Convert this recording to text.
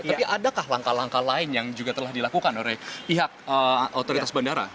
tapi adakah langkah langkah lain yang juga telah dilakukan oleh pihak otoritas bandara